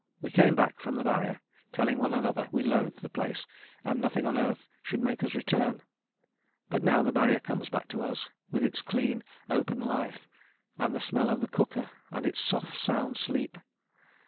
We came back from the Barrier, telling one another we loathed the place and nothing on earth should make us return. But now the Barrier comes back to us, with its clean, open life, and the smell of the cooker, and its soft sound sleep.